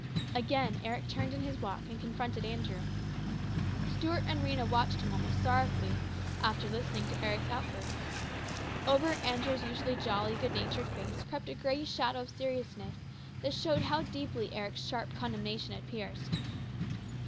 Again Eric turned in his walk and confronted Andrew. Stuart and Rhena watched him almost sorrowfully, after listening to Eric's outburst. Over Andrew's usually jolly, good natured face crept a grey shadow of seriousness that showed how deeply Eric's sharp condemnation had pierced.